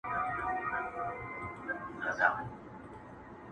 ډېر مرغان سوه د جرګې مخي ته وړاندي.!